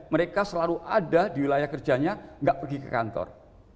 mereka selalu ada di wilayah kerjanya nggak pergi ke kantor